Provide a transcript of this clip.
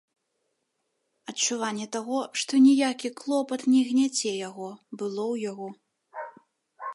Адчуванне таго, што ніякі клопат не гняце яго, было ў яго.